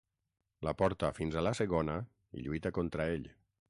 La porta fins a la segona i lluita contra ell.